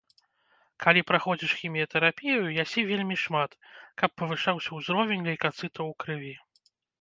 Калі праходзіш хіміятэрапію, ясі вельмі шмат, каб павышаўся ўзровень лейкацытаў у крыві.